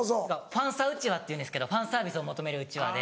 ファンサうちわっていうんですけどファンサービスを求めるうちわで。